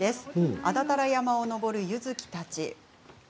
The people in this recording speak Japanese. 安達太良山を登る柚月たち。